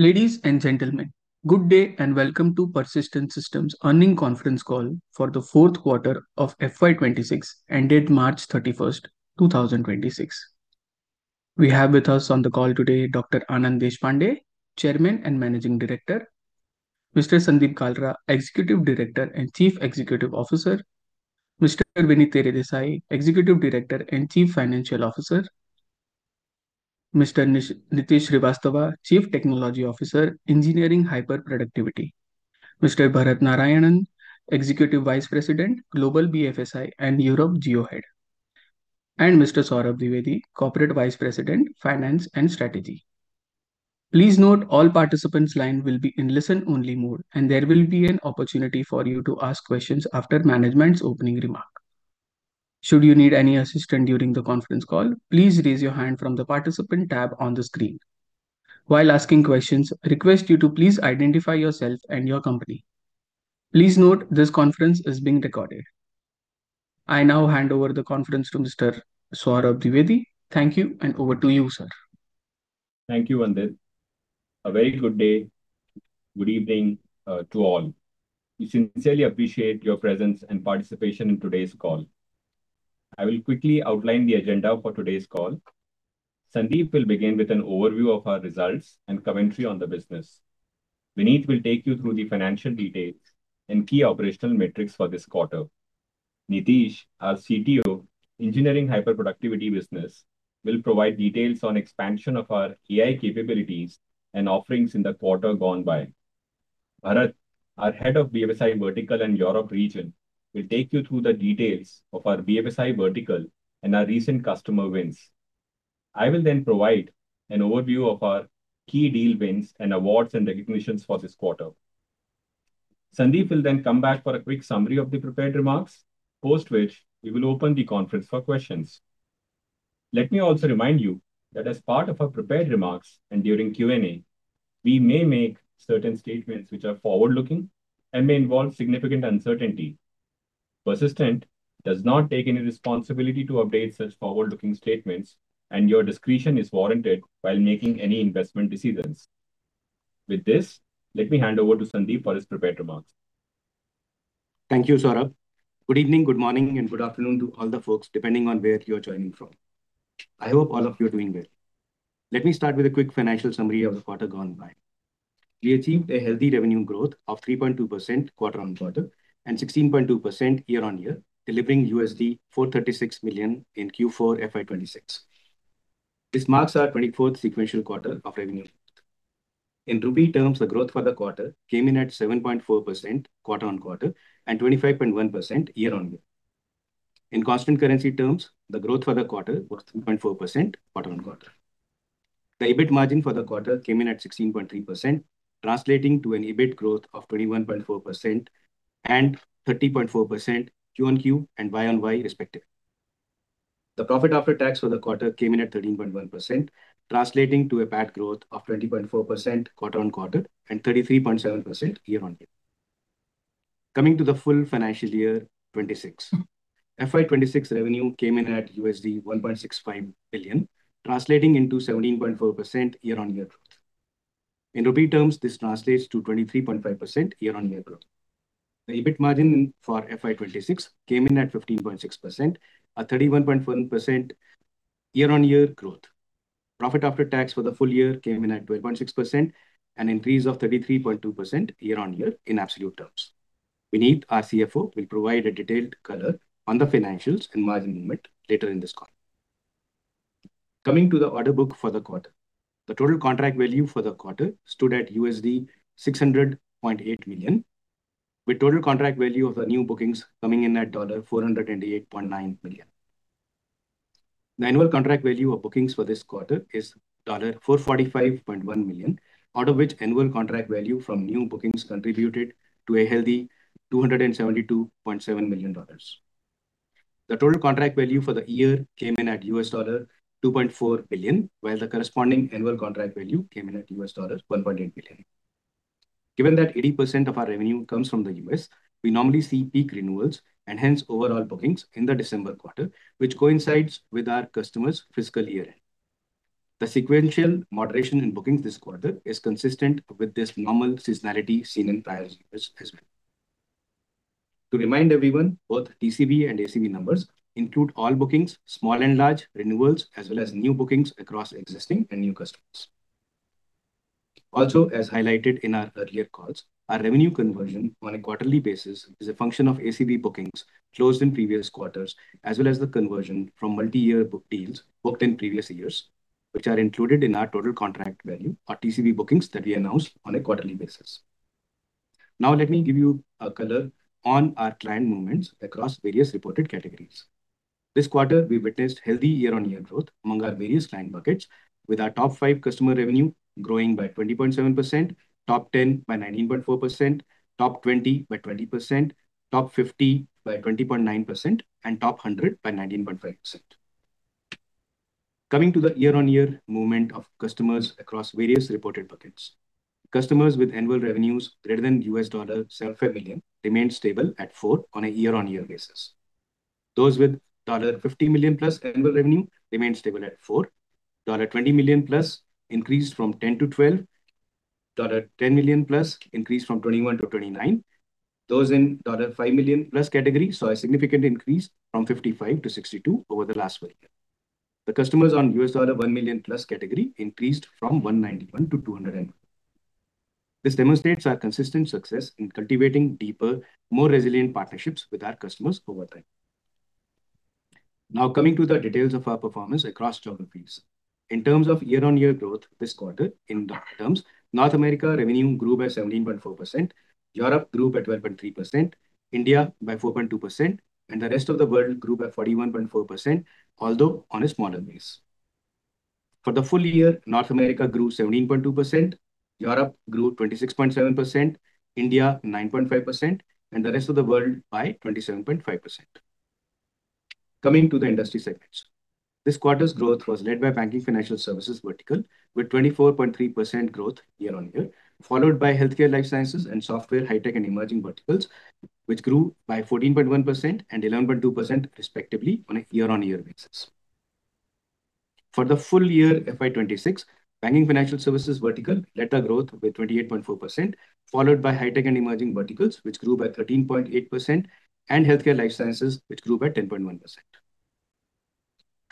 Ladies and gentlemen, good day and welcome to Persistent Systems' earnings conference call for the fourth quarter of FY 2026, ended March 31st, 2026. We have with us on the call today Dr. Anand Deshpande, Chairman and Managing Director. Mr. Sandeep Kalra, Executive Director and Chief Executive Officer. Mr. Vinit Teredesai, Executive Director and Chief Financial Officer. Mr. Nitish Srivastava, Chief Technology Officer, Engineering Hyperproductivity. Mr. Barath Narayanan, Executive Vice President, Global BFSI and Europe Geo Head. Mr. Saurabh Dwivedi, Corporate Vice President, Finance and Strategy. Please note all participants' lines will be in listen-only mode, and there will be an opportunity for you to ask questions after management's opening remarks. Should you need any assistance during the conference call, please raise your hand from the Participant tab on the screen. While asking questions, request you to please identify yourself and your company. Please note this conference is being recorded. I now hand over the conference to Mr. Saurabh Dwivedi. Thank you, and over to you, sir. Thank you, Vandit. A very good day, good evening, to all. We sincerely appreciate your presence and participation in today's call. I will quickly outline the agenda for today's call. Sandeep will begin with an overview of our results and commentary on the business. Vinit will take you through the financial details and key operational metrics for this quarter. Nitish, our CTO, Engineering Hyper-Productivity business, will provide details on expansion of our AI capabilities and offerings in the quarter gone by. Barath, our head of BFSI vertical and Europe region, will take you through the details of our BFSI vertical and our recent customer wins. I will then provide an overview of our key deal wins and awards and recognitions for this quarter. Sandeep will then come back for a quick summary of the prepared remarks, post which we will open the conference for questions. Let me also remind you that as part of our prepared remarks and during Q&A, we may make certain statements which are forward-looking and may involve significant uncertainty. Persistent does not take any responsibility to update such forward-looking statements, and your discretion is warranted while making any investment decisions. With this, let me hand over to Sandeep for his prepared remarks. Thank you, Saurabh. Good evening, good morning, and good afternoon to all the folks, depending on where you're joining from. I hope all of you are doing well. Let me start with a quick financial summary of the quarter gone by. We achieved a healthy revenue growth of 3.2% quarter-on-quarter and 16.2% year-on-year, delivering $436 million in Q4 FY 2026. This marks our 24th sequential quarter of revenue. In rupee terms, the growth for the quarter came in at 7.4% quarter-on-quarter and 25.1% year-on-year. In constant currency terms, the growth for the quarter was 3.4% quarter-on-quarter. The EBIT margin for the quarter came in at 16.3%, translating to an EBIT growth of 21.4% and 30.4% QoQ and YoY respectively. The profit after tax for the quarter came in at 13.1%, translating to a PAT growth of 20.4% quarter-on-quarter and 33.7% year-on-year. Coming to the full financial year 2026, FY 2026 revenue came in at $1.65 billion, translating into 17.4% year-on-year growth. In rupee terms, this translates to 23.5% year-on-year growth. The EBIT margin for FY 2026 came in at 15.6%, a 31.1% year-on-year growth. Profit after tax for the full year came in at 12.6%, an increase of 33.2% year-on-year in absolute terms. Vinit, our CFO, will provide a detailed color on the financials and margin movement later in this call. Coming to the order book for the quarter, the total contract value for the quarter stood at $600.8 million, with total contract value of the new bookings coming in at $428.9 million. The annual contract value of bookings for this quarter is $445.1 million, out of which annual contract value from new bookings contributed to a healthy $272.7 million. The total contract value for the year came in at $2.4 billion, while the corresponding annual contract value came in at $1.8 billion. Given that 80% of our revenue comes from the U.S., we normally see peak renewals and hence overall bookings in the December quarter, which coincides with our customers' fiscal year. The sequential moderation in bookings this quarter is consistent with this normal seasonality seen in prior years as well. To remind everyone, both TCV and ACV numbers include all bookings, small and large, renewals, as well as new bookings across existing and new customers. Also, as highlighted in our earlier calls, our revenue conversion on a quarterly basis is a function of ACV bookings closed in previous quarters, as well as the conversion from multi-year book deals booked in previous years, which are included in our total contract value or TCV bookings that we announce on a quarterly basis. Now let me give you a color on our client movements across various reported categories. This quarter, we witnessed healthy year-on-year growth among our various client buckets, with our top five customer revenue growing by 20.7%, top 10 by 19.4%, top 20 by 20%, top 50 by 20.9%, and top 100 by 19.5%. Coming to the year-on-year movement of customers across various reported buckets. Customers with annual revenues greater than $7.5 million remained stable at four on a year-on-year basis. Those with $50 million-plus annual revenue remained stable at four. $20 million-plus increased from 10 to 12. $10 million-plus increased from 21 to 29. Those in $5 million-plus category saw a significant increase from 55 to 62 over the last full year. The customers on $1 million-plus category increased from 191 to 209. This demonstrates our consistent success in cultivating deeper, more resilient partnerships with our customers over time. Now coming to the details of our performance across geographies. In terms of year-on-year growth this quarter in dollar terms, North America revenue grew by 17.4%, Europe grew by 12.3%, India by 4.2%, and the rest of the world grew by 41.4%, although on a smaller base. For the full year, North America grew 17.2%, Europe grew 26.7%, India 9.5%, and the rest of the world by 27.5%. Coming to the industry segments. This quarter's growth was led by banking financial services vertical, with 24.3% growth year-on-year, followed by healthcare life sciences and software, hi-tech, and emerging verticals, which grew by 14.1% and 11.2% respectively on a year-over-year basis. For the full year FY 2026, banking financial services vertical led our growth with 28.4%, followed by hi-tech and emerging verticals, which grew by 13.8%, and healthcare life sciences, which grew by 10.1%.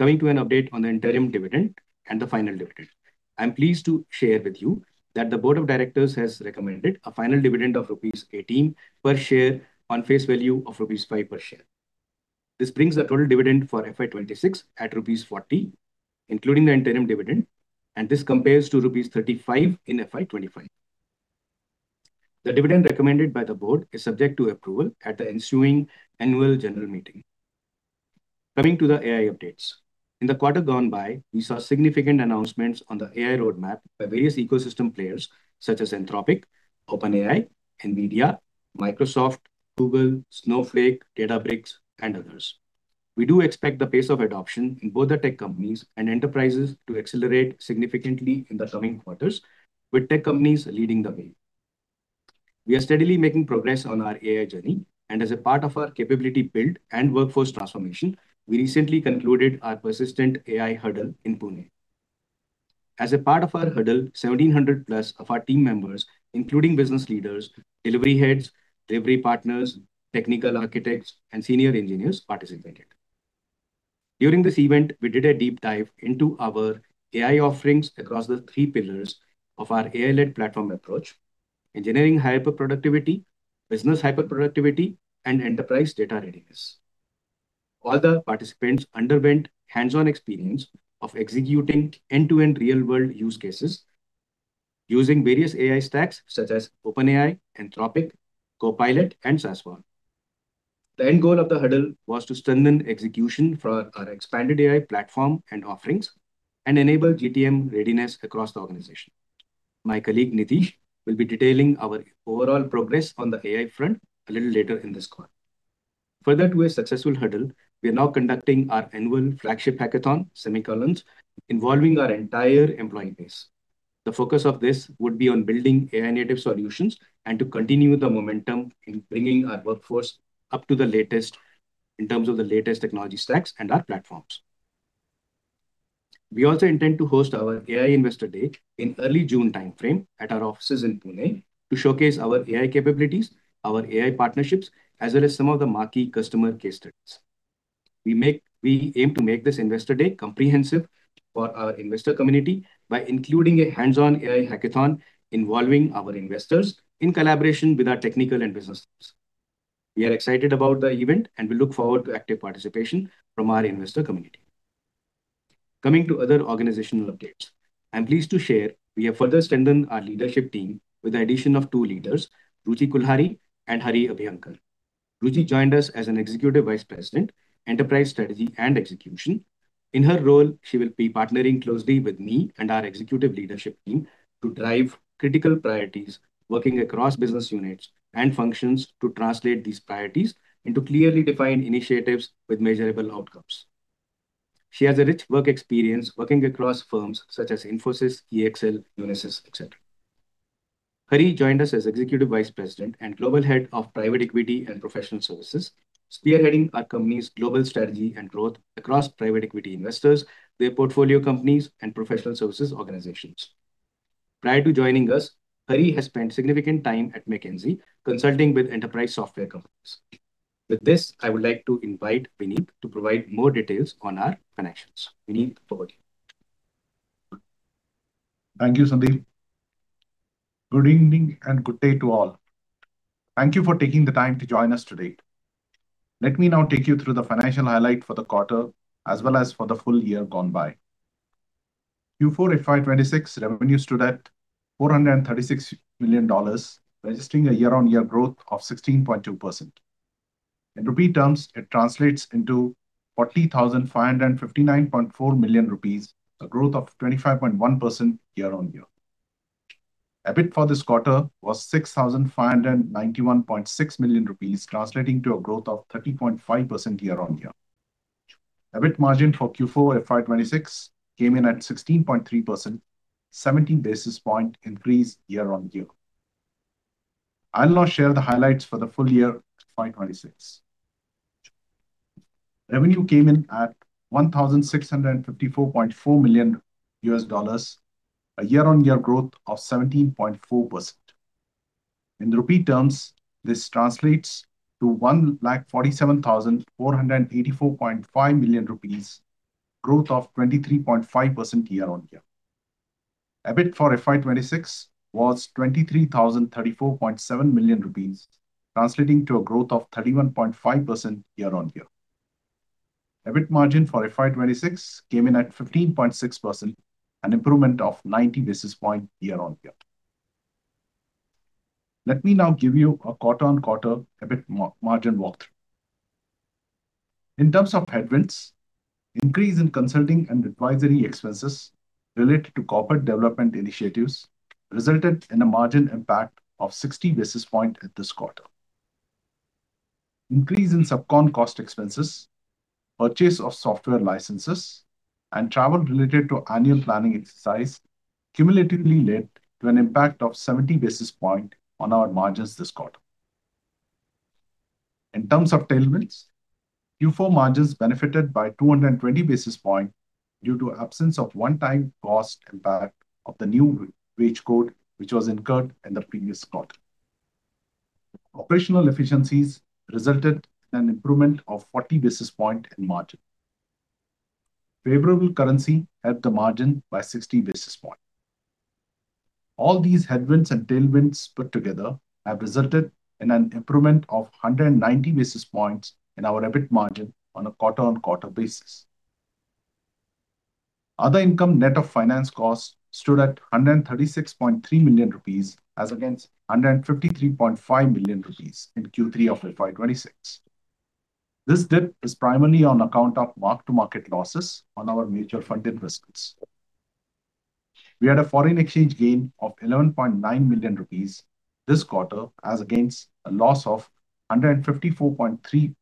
Coming to an update on the interim dividend and the final dividend. I'm pleased to share with you that the board of directors has recommended a final dividend of rupees 18 per share on face value of rupees 5 per share. This brings the total dividend for FY 2026 at rupees 40, including the interim dividend, and this compares to rupees 35 in FY 2025. The dividend recommended by the board is subject to approval at the ensuing annual general meeting. Coming to the AI updates. In the quarter gone by, we saw significant announcements on the AI roadmap by various ecosystem players such as Anthropic, OpenAI, Nvidia, Microsoft, Google, Snowflake, Databricks, and others. We do expect the pace of adoption in both the tech companies and enterprises to accelerate significantly in the coming quarters, with tech companies leading the way. We are steadily making progress on our AI journey, and as a part of our capability build and workforce transformation, we recently concluded our Persistent AI Huddle in Pune. As a part of our huddle, 1,700-plus of our team members, including business leaders, delivery heads, delivery partners, technical architects, and senior engineers participated. During this event, we did a deep dive into our AI offerings across the three pillars of our AI-led platform approach, Engineering Hyper-Productivity, Business Hyper-Productivity, and Enterprise Data Readiness. All the participants underwent hands-on experience of executing end-to-end real-world use cases using various AI stacks such as OpenAI, Anthropic, Copilot, and SAS Viya. The end goal of the huddle was to strengthen execution for our expanded AI platform and offerings and enable GTM readiness across the organization. My colleague Nitish will be detailing our overall progress on the AI front a little later in this call. Further to a successful huddle, we are now conducting our annual flagship hackathon, Semicolons, involving our entire employee base. The focus of this would be on building AI-native solutions and to continue the momentum in bringing our workforce up to the latest in terms of the latest technology stacks and our platforms. We also intend to host our AI investor day in early June timeframe at our offices in Pune to showcase our AI capabilities, our AI partnerships, as well as some of the marquee customer case studies. We aim to make this investor day comprehensive for our investor community by including a hands-on AI hackathon involving our investors in collaboration with our technical and business teams. We are excited about the event and we look forward to active participation from our investor community. Coming to other organizational updates. I'm pleased to share we have further strengthened our leadership team with the addition of two leaders, Ruchi Kulhari and Hari Abhyankar. Ruchi joined us as Executive Vice President, Enterprise Strategy and Execution. In her role, she will be partnering closely with me and our executive leadership team to drive critical priorities, working across business units and functions to translate these priorities into clearly defined initiatives with measurable outcomes. She has a rich work experience working across firms such as Infosys, EXL, Unisys, et cetera. Hari joined us as Executive Vice President and Global Head of Private Equity and Professional Services, spearheading our company's global strategy and growth across private equity investors, their portfolio companies, and professional services organizations. Prior to joining us, Hari has spent significant time at McKinsey consulting with enterprise software companies. With this, I would like to invite Vinit to provide more details on our financials. Vinit, over to you. Thank you, Sandeep. Good evening and good day to all. Thank you for taking the time to join us today. Let me now take you through the financial highlight for the quarter as well as for the full year gone by. Q4 FY 2026 revenue stood at $436 million, registering a year-on-year growth of 16.2%. In rupee terms, it translates into 40,559.4 million rupees, a growth of 25.1% year-on-year. EBIT for this quarter was 6,591.6 million rupees, translating to a growth of 30.5% year-on-year. EBIT margin for Q4 FY 2026 came in at 16.3%, 17 basis point increase year-on-year. I'll now share the highlights for the full year FY 2026. Revenue came in at $1,654.4 million, a year-on-year growth of 17.4%. In rupee terms, this translates to 147,484.5 million rupees, growth of 23.5% year-on-year. EBIT for FY 2026 was 23,034.7 million rupees, translating to a growth of 31.5% year-on-year. EBIT margin for FY 2026 came in at 15.6%, an improvement of 90 basis point year-on-year. Let me now give you a quarter-on-quarter EBIT margin walkthrough. In terms of headwinds, increase in consulting and advisory expenses related to corporate development initiatives resulted in a margin impact of 60 basis point at this quarter. Increase in subcon cost expenses, purchase of software licenses, and travel related to annual planning exercise cumulatively led to an impact of 70 basis point on our margins this quarter. In terms of tailwinds, Q4 margins benefited by 220 basis point due to absence of one-time cost impact of the new wage code, which was incurred in the previous quarter. Operational efficiencies resulted in an improvement of 40 basis point in margin. Favorable currency helped the margin by 60 basis point. All these headwinds and tailwinds put together have resulted in an improvement of 190 basis points in our EBIT margin on a quarter-on-quarter basis. Other income net of finance costs stood at 136.3 million rupees, as against 153.5 million rupees in Q3 of FY 2026. This dip is primarily on account of mark-to-market losses on our mutual fund investments. We had a foreign exchange gain of 11.9 million rupees this quarter, as against a loss of 154.3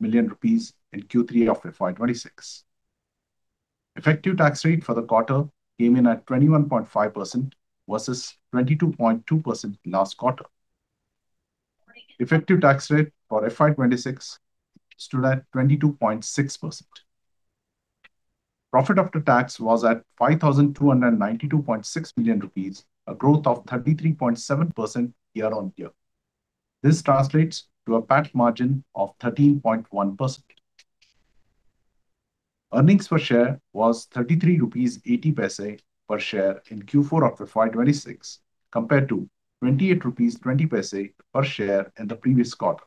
million rupees in Q3 of FY 2026. Effective tax rate for the quarter came in at 21.5% versus 22.2% last quarter. Effective tax rate for FY 2026 stood at 22.6%. Profit after tax was at 5,292.6 million rupees, a growth of 33.7% year-on-year. This translates to a PAT margin of 13.1%. Earnings per share was 33.80 rupees per share in Q4 of FY 2026 compared to 28.20 rupees per share in the previous quarter.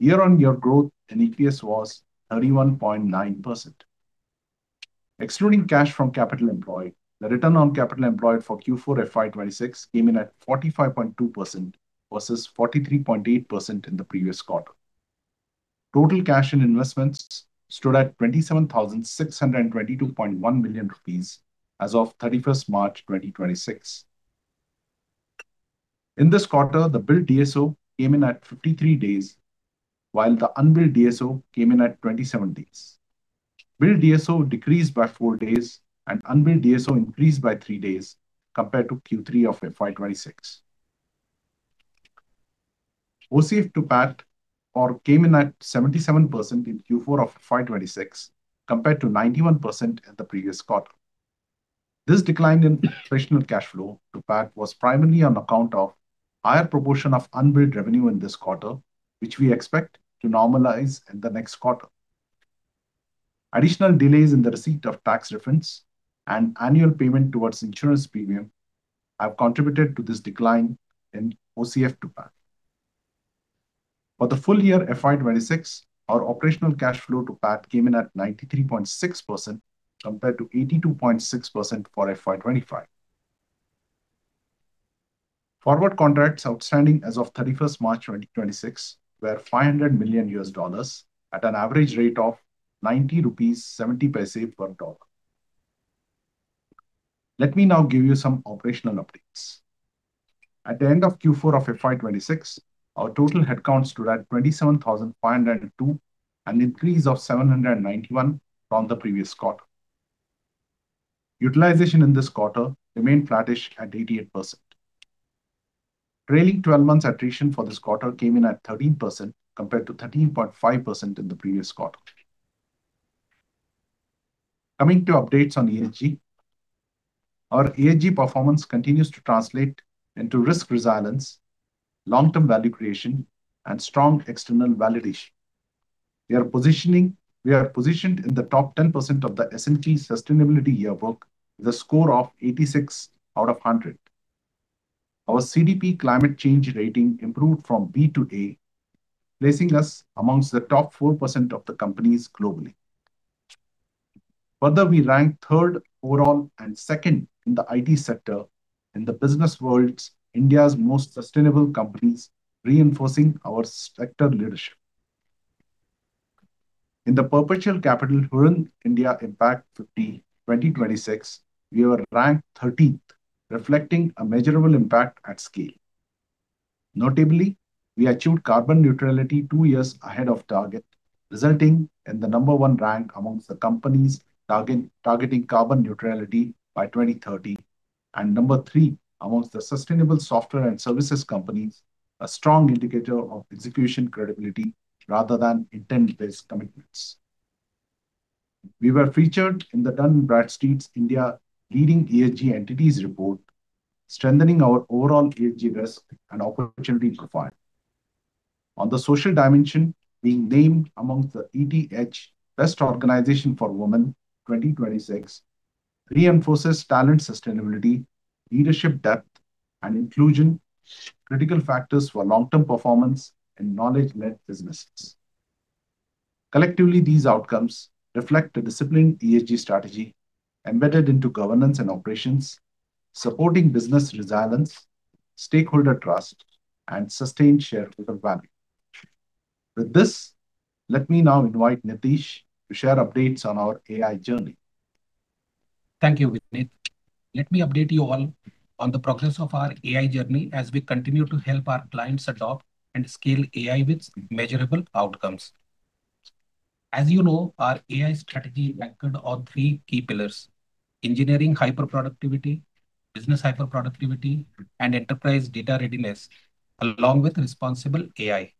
Year-on-year growth in EPS was 31.9%. Excluding cash from capital employed, the return on capital employed for Q4 FY 2026 came in at 45.2% versus 43.8% in the previous quarter. Total cash and investments stood at 27,622.1 million rupees as of 31st March 2026. In this quarter, the billed DSO came in at 53 days, while the unbilled DSO came in at 27 days. Billed DSO decreased by four days and unbilled DSO increased by three days compared to Q3 of FY 2026. OCF to PAT came in at 77% in Q4 of FY 2026 compared to 91% in the previous quarter. This decline in operational cash flow to PAT was primarily on account of higher proportion of unbilled revenue in this quarter, which we expect to normalize in the next quarter. Additional delays in the receipt of tax refunds and annual payment towards insurance premium have contributed to this decline in OCF to PAT. For the full year FY 2026, our operational cash flow to PAT came in at 93.6% compared to 82.6% for FY 2025. Forward contracts outstanding as of 31st March 2026 were $500 million at an average rate of 90.70 rupees per dollar. Let me now give you some operational updates. At the end of Q4 of FY 2026, our total headcount stood at 27,502, an increase of 791 from the previous quarter. Utilization in this quarter remained flattish at 88%. Trailing 12 months attrition for this quarter came in at 13% compared to 13.5% in the previous quarter. Coming to updates on ESG. Our ESG performance continues to translate into risk resilience, long-term value creation, and strong external validation. We are positioned in the top 10% of the S&P Global Sustainability Yearbook with a score of 86 out of 100. Our CDP climate change rating improved from B to A, placing us among the top 4% of the companies globally. Further, we ranked third overall and second in the IT sector in the Businessworld's India's Most Sustainable Companies, reinforcing our sector leadership. In the Perpetual Capital Hurun India Impact 50 2026, we were ranked 13th, reflecting a measurable impact at scale. Notably, we achieved carbon neutrality two years ahead of target, resulting in the number one rank amongst the companies targeting carbon neutrality by 2030, and number three amongst the sustainable software and services companies, a strong indicator of execution credibility rather than intent-based commitments. We were featured in the Dun & Bradstreet's India Leading ESG Entities report, strengthening our overall ESG risk and opportunity profile. On the social dimension, being named amongst the ET Edge Best Organization for Women 2026 reinforces talent sustainability, leadership depth, and inclusion, critical factors for long-term performance and knowledge-led businesses. Collectively, these outcomes reflect a disciplined ESG strategy embedded into governance and operations, supporting business resilience, stakeholder trust, and sustained shareholder value. With this, let me now invite Nitish to share updates on our AI journey. Thank you, Vinit. Let me update you all on the progress of our AI journey as we continue to help our clients adopt and scale AI with measurable outcomes. As you know, our AI strategy anchored on three key pillars, Engineering Hyper-Productivity, Business Hyper-Productivity, and Enterprise Data Readiness, along with Responsible AI.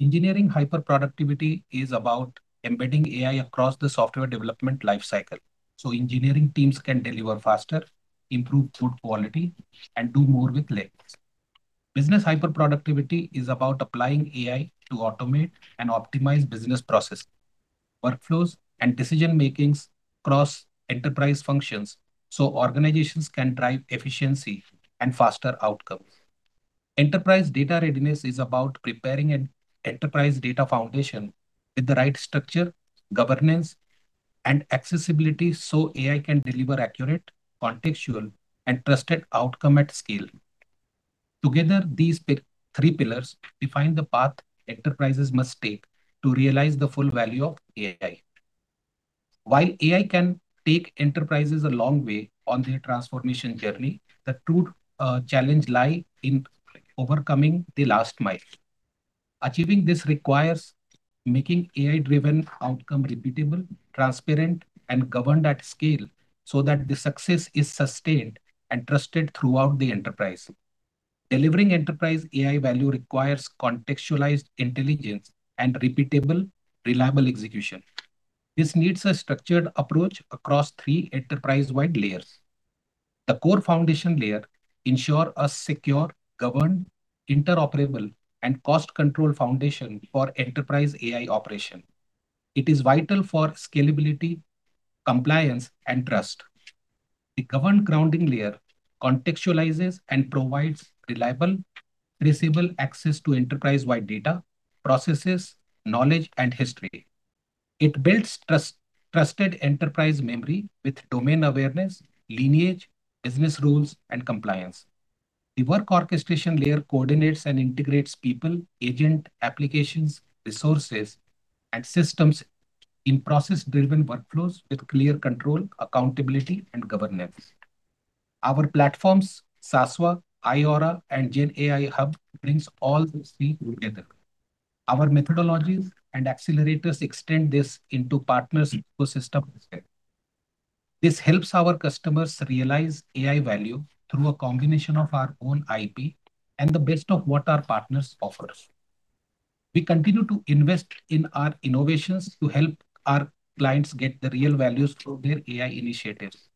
Engineering Hyper-Productivity is about embedding AI across the software development life cycle so engineering teams can deliver faster, improve code quality, and do more with less. Business Hyper-Productivity is about applying AI to automate and optimize business process workflows and decision making across enterprise functions so organizations can drive efficiency and faster outcomes. Enterprise Data Readiness is about preparing an enterprise data foundation with the right structure, governance, and accessibility so AI can deliver accurate, contextual, and trusted outcome at scale. Together, these three pillars define the path enterprises must take to realize the full value of AI. While AI can take enterprises a long way on their transformation journey, the true challenge lies in overcoming the last mile. Achieving this requires making AI-driven outcomes repeatable, transparent, and governed at scale so that the success is sustained and trusted throughout the enterprise. Delivering enterprise AI value requires contextualized intelligence and repeatable, reliable execution. This needs a structured approach across three enterprise-wide layers. The core foundation layer ensures a secure, governed, interoperable, and cost-controlled foundation for enterprise AI operation. It is vital for scalability, compliance, and trust. The governed grounding layer contextualizes and provides reliable, traceable access to enterprise-wide data, processes, knowledge, and history. It builds trusted enterprise memory with domain awareness, lineage, business rules, and compliance. The work orchestration layer coordinates and integrates people, agent applications, resources, and systems in process-driven workflows with clear control, accountability, and governance. Our platforms, SASVA, iAURA, and GenAI Hub, brings all these three together. Our methodologies and accelerators extend this into partners' ecosystem. This helps our customers realize AI value through a combination of our own IP and the best of what our partners offers. We continue to invest in our innovations to help our clients get the real values through their AI initiatives.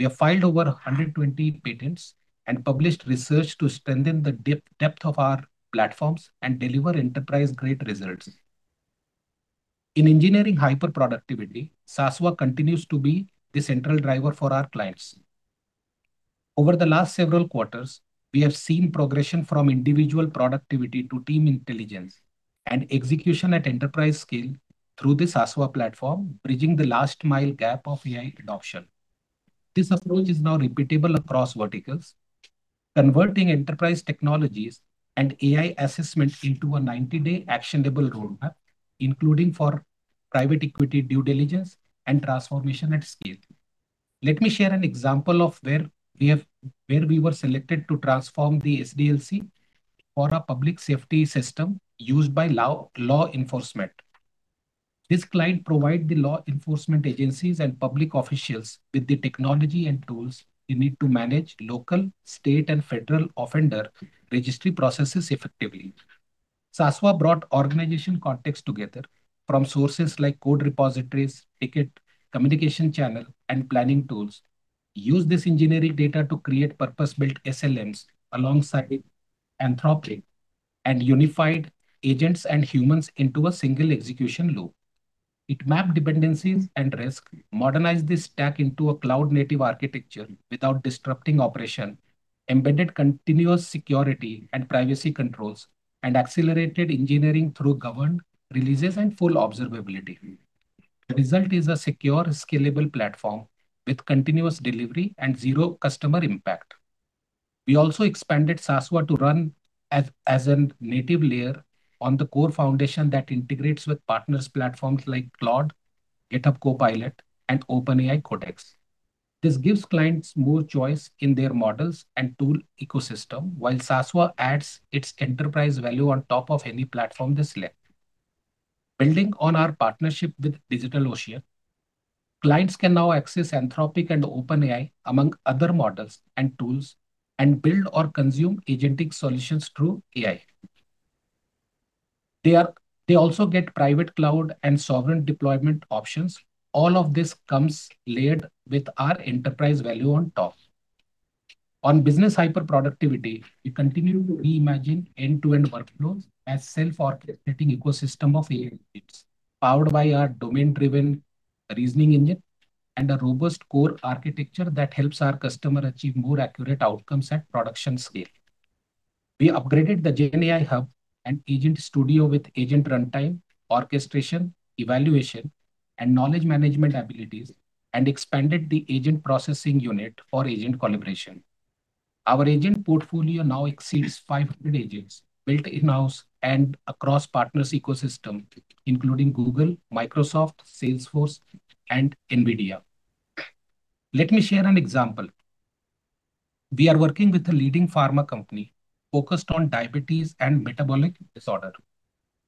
We have filed over 120 patents and published research to strengthen the depth of our platforms and deliver enterprise-grade results. In Engineering Hyper-Productivity, SASVA continues to be the central driver for our clients. Over the last several quarters, we have seen progression from individual productivity to team intelligence and execution at enterprise scale through the SASVA platform, bridging the last mile gap of AI adoption. This approach is now repeatable across verticals, converting enterprise technologies and AI assessment into a 90-day actionable roadmap, including for private equity due diligence and transformation at scale. Let me share an example of where we were selected to transform the SDLC for a public safety system used by law enforcement. This client provide the law enforcement agencies and public officials with the technology and tools they need to manage local, state, and federal offender registry processes effectively. SASVA brought organization context together from sources like code repositories, ticket, communication channel, and planning tools. Use this engineering data to create purpose-built SLMs alongside Anthropic and unified agents and humans into a single execution loop. It mapped dependencies and risk, modernized this stack into a cloud-native architecture without disrupting operation, embedded continuous security and privacy controls, and accelerated engineering through governed releases and full observability. The result is a secure, scalable platform with continuous delivery and zero customer impact. We also expanded SASVA to run as a native layer on the core foundation that integrates with partners' platforms like Claude, GitHub Copilot, and OpenAI Codex. This gives clients more choice in their models and tool ecosystem, while SASVA adds its enterprise value on top of any platform they select. Building on our partnership with DigitalOcean, clients can now access Anthropic and OpenAI, among other models and tools, and build or consume agentic solutions through AI. They also get private cloud and sovereign deployment options. All of this comes layered with our enterprise value on top. On Business Hyper-Productivity, we continue to reimagine end-to-end workflows as self-orchestrating ecosystem of AI agents, powered by our domain-driven reasoning engine and a robust core architecture that helps our customer achieve more accurate outcomes at production scale. We upgraded the GenAI Hub and Agent Studio with agent runtime, orchestration, evaluation, and knowledge management abilities, and expanded the Agent Processing Unit for agent collaboration. Our agent portfolio now exceeds 500 agents built in-house and across partners' ecosystem, including Google, Microsoft, Salesforce, and NVIDIA. Let me share an example. We are working with a leading pharma company focused on diabetes and metabolic disorder.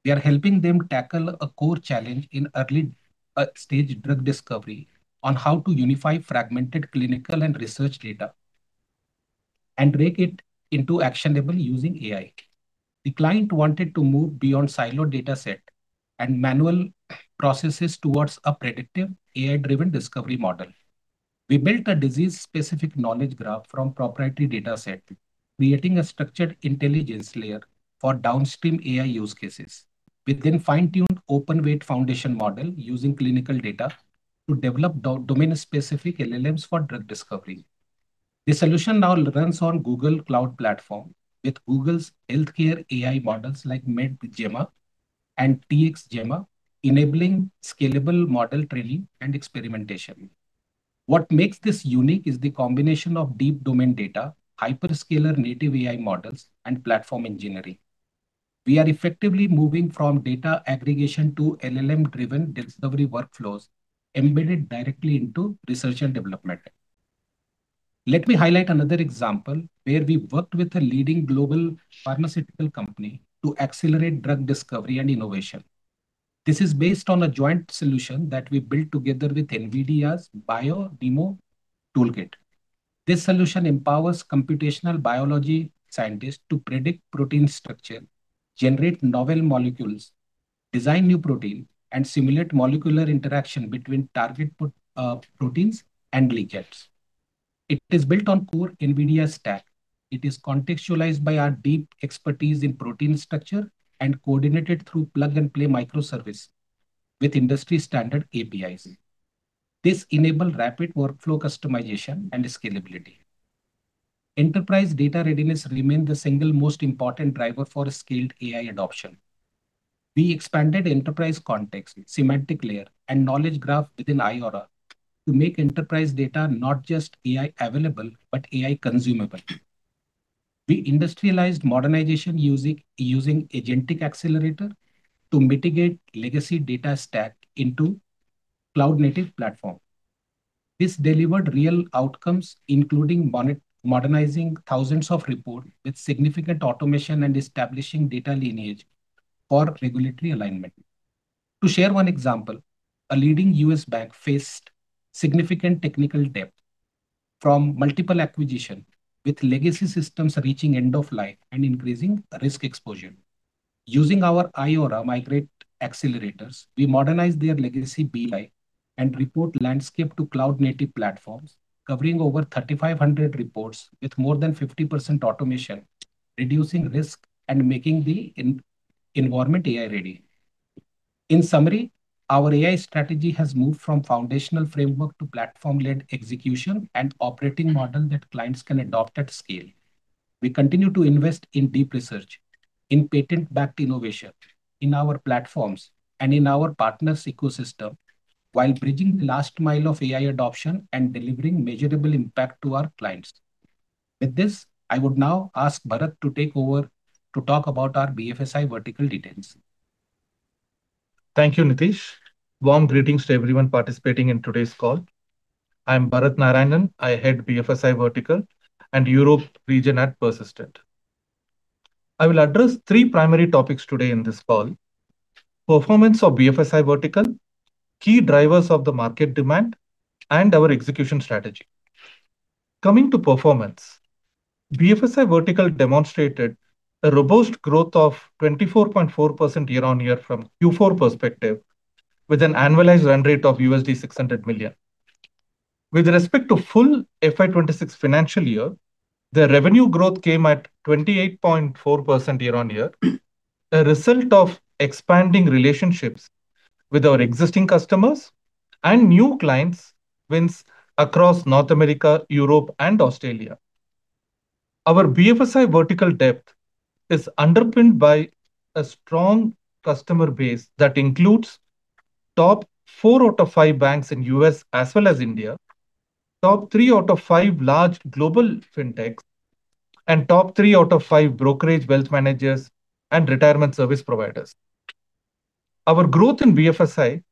We are helping them tackle a core challenge in early-stage drug discovery on how to unify fragmented clinical and research data and break it into actionable using AI. The client wanted to move beyond siloed data set and manual processes towards a predictive, AI-driven discovery model. We built a disease-specific knowledge graph from proprietary data set, creating a structured intelligence layer for downstream AI use cases. We then fine-tuned open weight foundation model using clinical data to develop domain-specific LLMs for drug discovery. The solution now runs on Google Cloud Platform with Google's healthcare AI models like MedGemma and TxGemma, enabling scalable model training and experimentation. What makes this unique is the combination of deep domain data, hyperscaler native AI models, and platform engineering. We are effectively moving from data aggregation to LLM-driven discovery workflows embedded directly into research and development. Let me highlight another example where we worked with a leading global pharmaceutical company to accelerate drug discovery and innovation. This is based on a joint solution that we built together with NVIDIA's BioNeMo toolkit. This solution empowers computational biology scientists to predict protein structure, generate novel molecules, design new protein, and simulate molecular interaction between target proteins and ligands. It is built on core NVIDIA stack. It is contextualized by our deep expertise in protein structure and coordinated through plug-and-play microservice with industry-standard APIs. This enabled rapid workflow customization and scalability. Enterprise data readiness remained the single most important driver for a scaled AI adoption. We expanded enterprise context, semantic layer, and knowledge graph within iAURA to make enterprise data not just AI available, but AI consumable. We industrialized modernization using agentic accelerator to migrate legacy data stack into cloud-native platform. This delivered real outcomes, including modernizing thousands of reports with significant automation and establishing data lineage for regulatory alignment. To share one example, a leading U.S. bank faced significant technical debt from multiple acquisitions, with legacy systems reaching end of life and increasing risk exposure. Using our iAURA Migrate accelerators, we modernized their legacy BI and reporting landscape to cloud-native platforms, covering over 3,500 reports with more than 50% automation, reducing risk and making the environment AI-ready. In summary, our AI strategy has moved from foundational framework to platform-led execution and operating model that clients can adopt at scale. We continue to invest in deep research, in patent-backed innovation, in our platforms, and in our partners' ecosystem while bridging the last mile of AI adoption and delivering measurable impact to our clients. With this, I would now ask Barath to take over to talk about our BFSI vertical details. Thank you, Nitish. Warm greetings to everyone participating in today's call. I'm Barath Narayanan. I head BFSI vertical and Europe region at Persistent. I will address three primary topics today in this call, performance of BFSI vertical, key drivers of the market demand, and our execution strategy. Coming to performance, BFSI vertical demonstrated a robust growth of 24.4% year-on-year from Q4 perspective with an annualized run rate of $600 million. With respect to full FY 2026 financial year, the revenue growth came at 28.4% year-on-year, a result of expanding relationships with our existing customers and new clients wins across North America, Europe, and Australia. Our BFSI vertical depth is underpinned by a strong customer base that includes top four out of five banks in U.S. as well as India, top three out of five large global fintechs, and top three out of five brokerage wealth managers and retirement service providers. Our growth in BFSI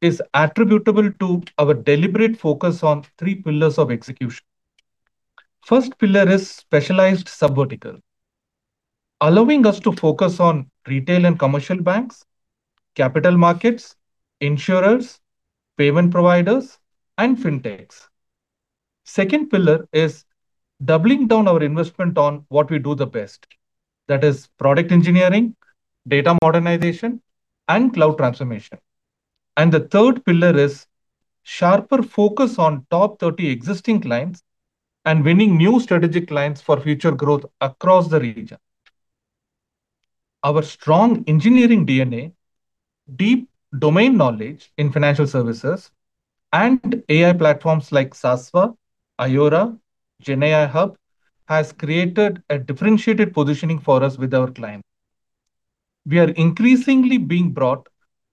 is attributable to our deliberate focus on three pillars of execution. First pillar is specialized sub-vertical, allowing us to focus on retail and commercial banks, capital markets, insurers, payment providers, and FinTechs. Second pillar is doubling down our investment on what we do the best. That is product engineering, data modernization, and cloud transformation. The third pillar is sharper focus on top 30 existing clients and winning new strategic clients for future growth across the region. Our strong engineering DNA, deep domain knowledge in financial services, and AI platforms like SASVA, iAURA, GenAI Hub, has created a differentiated positioning for us with our clients. We are increasingly being brought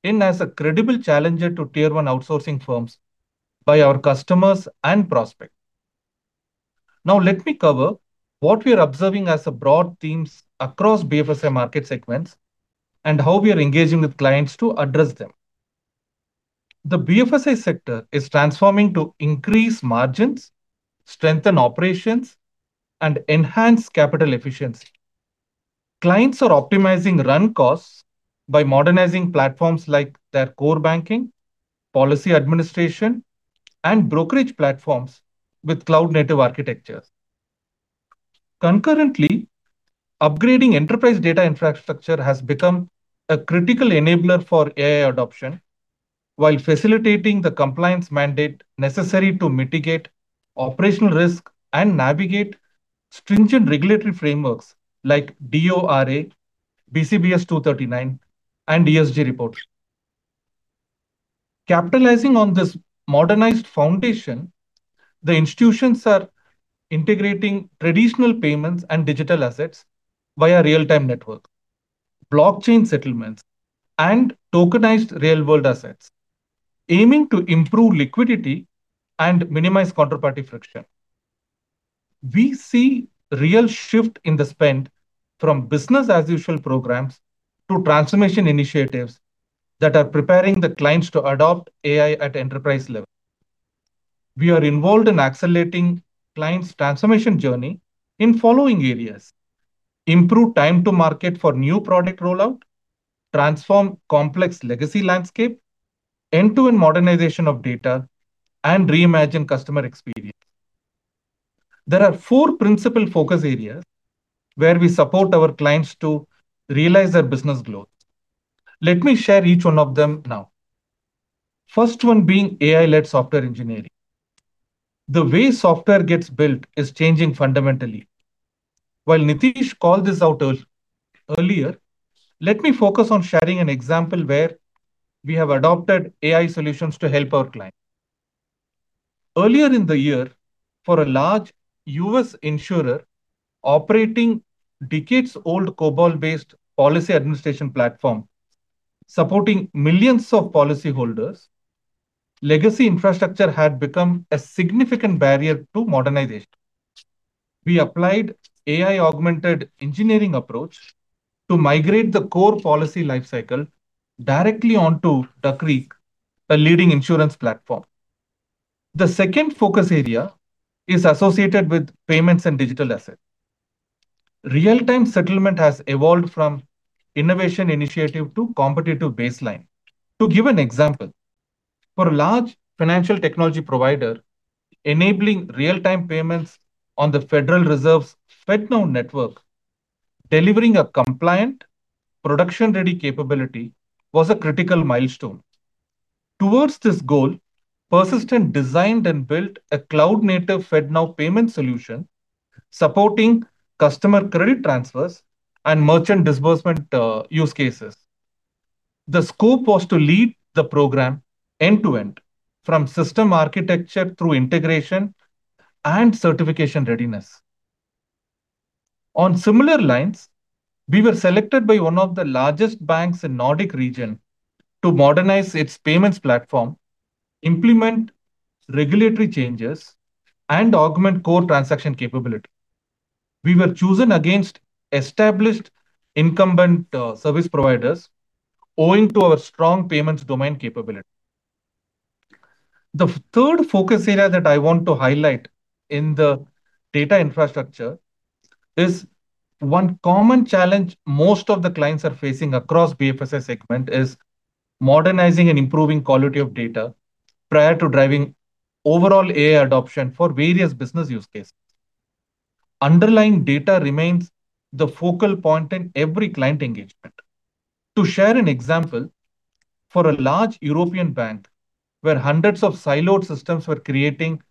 in as a credible challenger to tier one outsourcing firms by our customers and prospects. Now let me cover what we are observing as broad themes across BFSI market segments and how we are engaging with clients to address them. The BFSI sector is transforming to increase margins, strengthen operations, and enhance capital efficiency. Clients are optimizing run costs by modernizing platforms like their core banking, policy administration, and brokerage platforms with cloud-native architectures. Concurrently, upgrading enterprise data infrastructure has become a critical enabler for AI adoption while facilitating the compliance mandate necessary to mitigate operational risk and navigate stringent regulatory frameworks like DORA, BCBS 239, and ESG reports. Capitalizing on this modernized foundation, the institutions are integrating traditional payments and digital assets via real-time network, blockchain settlements, and tokenized real-world assets, aiming to improve liquidity and minimize counterparty friction. We see real shift in the spend from business as usual programs to transformation initiatives that are preparing the clients to adopt AI at enterprise level. We are involved in accelerating clients' transformation journey in following areas, improve time to market for new product rollout, transform complex legacy landscape, end-to-end modernization of data, and reimagine customer experience. There are four principal focus areas where we support our clients to realize their business growth. Let me share each one of them now. First one being AI-led software engineering. The way software gets built is changing fundamentally. While Nitish called this out earlier, let me focus on sharing an example where we have adopted AI solutions to help our clients. Earlier in the year, for a large U.S. insurer operating decades-old COBOL-based policy administration platform, supporting millions of policyholders, legacy infrastructure had become a significant barrier to modernization. We applied AI-augmented engineering approach to migrate the core policy life cycle directly onto Duck Creek, a leading insurance platform. The second focus area is associated with payments and digital assets. Real-time settlement has evolved from innovation initiative to competitive baseline. To give an example, for a large financial technology provider, enabling real-time payments on the Federal Reserve's FedNow network, delivering a compliant, production-ready capability was a critical milestone. Towards this goal, Persistent designed and built a cloud-native FedNow payment solution supporting customer credit transfers and merchant disbursement use cases. The scope was to lead the program end-to-end from system architecture through integration and certification readiness. On similar lines, we were selected by one of the largest banks in Nordic region to modernize its payments platform, implement regulatory changes, and augment core transaction capability. We were chosen against established incumbent service providers owing to our strong payments domain capability. The third focus area that I want to highlight in the data infrastructure is one common challenge most of the clients are facing across BFSI segment is modernizing and improving quality of data prior to driving overall AI adoption for various business use cases. Underlying data remains the focal point in every client engagement. To share an example, for a large European bank, where hundreds of siloed systems were creating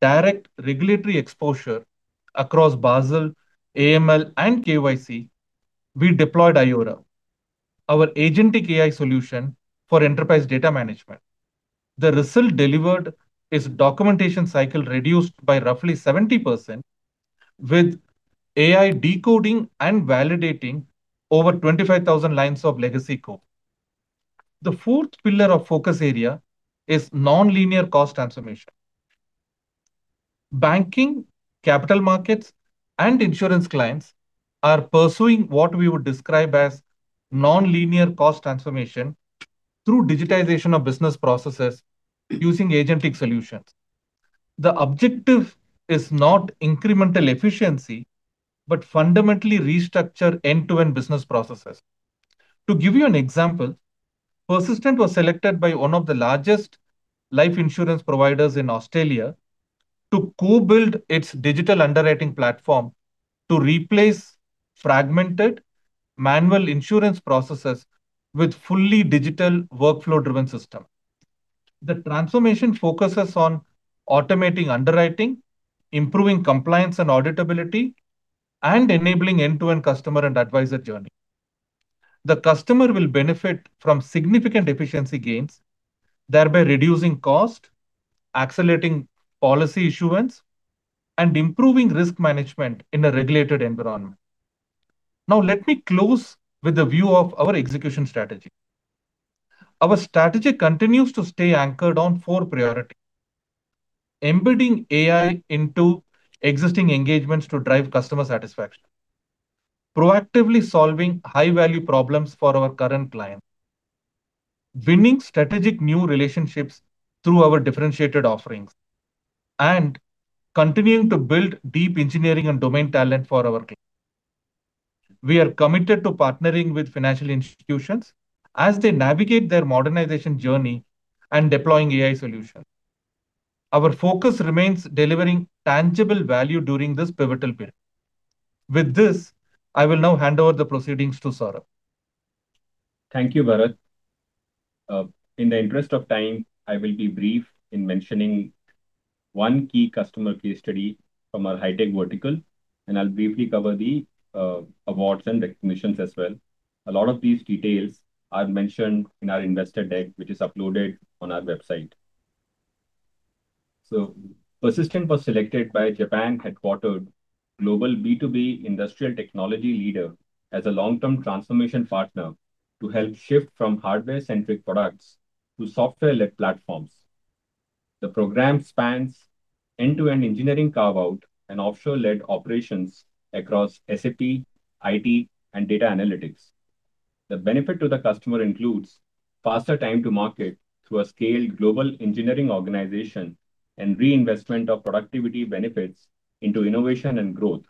direct regulatory exposure across Basel, AML, and KYC, we deployed iAURA, our agentic AI solution for enterprise data management. The result delivered is documentation cycle reduced by roughly 70% with AI decoding and validating over 25,000 lines of legacy code. The fourth pillar of focus area is nonlinear cost transformation. Banking, capital markets, and insurance clients are pursuing what we would describe as nonlinear cost transformation through digitization of business processes using agentic solutions. The objective is not incremental efficiency, but fundamentally restructure end-to-end business processes. To give you an example, Persistent was selected by one of the largest life insurance providers in Australia to co-build its digital underwriting platform to replace fragmented manual insurance processes with fully digital workflow-driven system. The transformation focuses on automating underwriting, improving compliance and auditability, and enabling end-to-end customer and advisor journey. The customer will benefit from significant efficiency gains, thereby reducing cost, accelerating policy issuance, and improving risk management in a regulated environment. Now, let me close with a view of our execution strategy. Our strategy continues to stay anchored on four priorities: embedding AI into existing engagements to drive customer satisfaction, proactively solving high-value problems for our current clients, winning strategic new relationships through our differentiated offerings, and continuing to build deep engineering and domain talent for our clients. We are committed to partnering with financial institutions as they navigate their modernization journey and deploying AI solutions. Our focus remains delivering tangible value during this pivotal period. With this, I will now hand over the proceedings to Saurabh. Thank you, Barath. In the interest of time, I will be brief in mentioning one key customer case study from our high tech vertical, and I'll briefly cover the awards and recognitions as well. A lot of these details are mentioned in our investor deck, which is uploaded on our website. Persistent was selected by a Japan-headquartered global B2B industrial technology leader as a long-term transformation partner to help shift from hardware-centric products to software-led platforms. The program spans end-to-end engineering carve-out and offshore-led operations across SAP, IT, and data analytics. The benefit to the customer includes faster time to market through a scaled global engineering organization and reinvestment of productivity benefits into innovation and growth.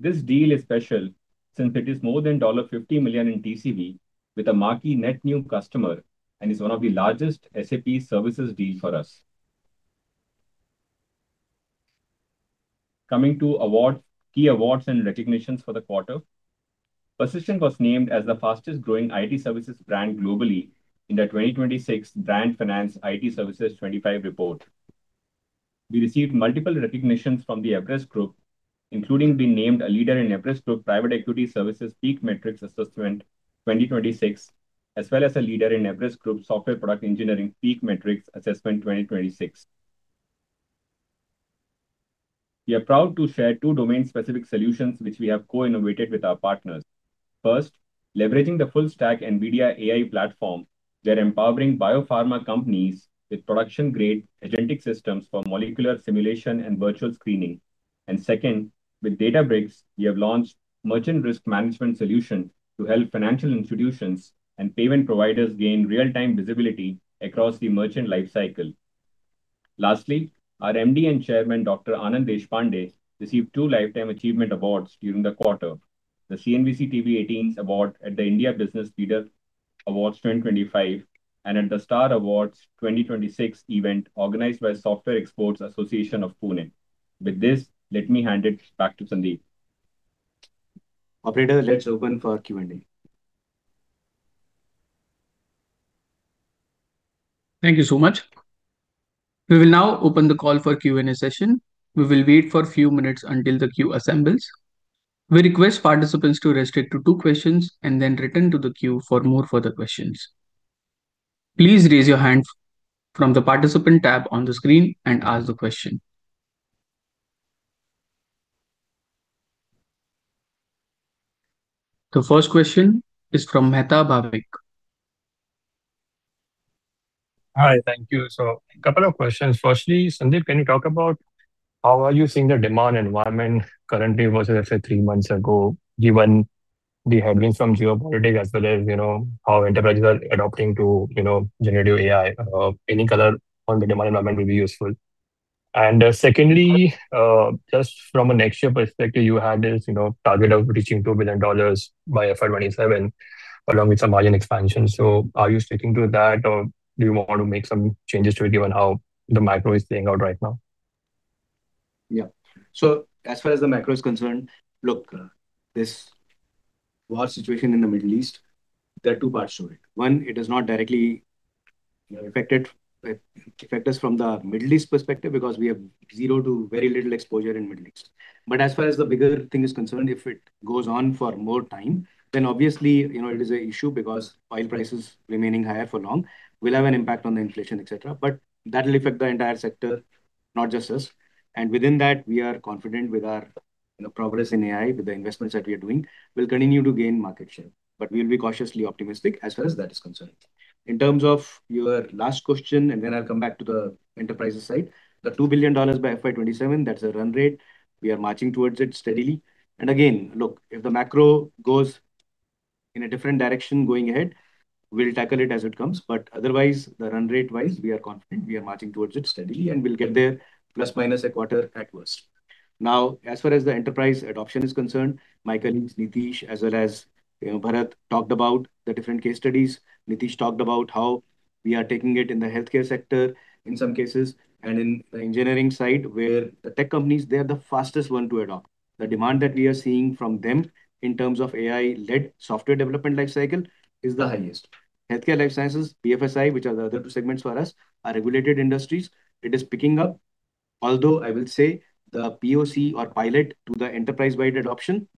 This deal is special since it is more than $50 million in TCV with a marquee net new customer and is one of the largest SAP services deal for us. Coming to key awards and recognitions for the quarter. Persistent was named as the fastest growing IT services brand globally in the 2026 Brand Finance IT Services 25 report. We received multiple recognitions from the Everest Group, including being named a leader in Everest Group Private Equity Services PEAK Matrix Assessment 2026, as well as a leader in Everest Group Software Product Engineering PEAK Matrix Assessment 2026. We are proud to share two domain-specific solutions which we have co-innovated with our partners. First, leveraging the full stack NVIDIA AI platform, we are empowering biopharma companies with production-grade agentic systems for molecular simulation and virtual screening. Second, with Databricks, we have launched merchant risk management solution to help financial institutions and payment providers gain real-time visibility across the merchant life cycle. Lastly, our MD and Chairman, Dr. Anand Deshpande, received two lifetime achievement awards during the quarter, the CNBC-TV18's award at the India Business Leader Awards 2025, and at the Star Awards 2026 event organized by Software Exporters Association of Pune. With this, let me hand it back to Sandeep. Operator, let's open for Q&A. Thank you so much. We will now open the call for Q&A session. We will wait for few minutes until the queue assembles. We request participants to restrict to two questions and then return to the queue for more further questions. Please raise your hand from the participant tab on the screen and ask the question. The first question is from Mehta Bhavik. Hi. Thank you. A couple of questions. Firstly, Sandeep, can you talk about how are you seeing the demand environment currently versus, let's say, three months ago, given the headwinds from geopolitics as well as how enterprises are adapting to generative AI. Any color on the demand environment will be useful. Secondly, just from a next year perspective, you had this target of reaching $2 billion by FY 2027 along with some margin expansion. Are you sticking to that or do you want to make some changes to it given how the macro is playing out right now? Yeah. As far as the macro is concerned, look, this war situation in the Middle East, there are two parts to it. One, it does not directly affect us from the Middle East perspective because we have zero to very little exposure in Middle East. As far as the bigger thing is concerned, if it goes on for more time, then obviously, it is a issue because oil prices remaining higher for long will have an impact on the inflation, et cetera. That will affect the entire sector, not just us. Within that, we are confident with our progress in AI with the investments that we are doing, we'll continue to gain market share. We'll be cautiously optimistic as far as that is concerned. In terms of your last question, and then I'll come back to the enterprises side. The $2 billion by FY 2027, that's a run rate. We are marching towards it steadily. Again, look, if the macro goes in a different direction going ahead, we'll tackle it as it comes. Otherwise, the run rate wise, we are confident we are marching towards it steadily, and we'll get there plus minus a quarter at worst. Now, as far as the enterprise adoption is concerned, my colleagues Nitish as well as Barath talked about the different case studies. Nitish talked about how we are taking it in the healthcare sector in some cases, and in the engineering side where the tech companies, they are the fastest one to adopt. The demand that we are seeing from them in terms of AI-led software development lifecycle is the highest. Healthcare life sciences, BFSI, which are the other two segments for us, are regulated industries. It is picking up, although I will say the POC or pilot to the enterprise-wide adoption,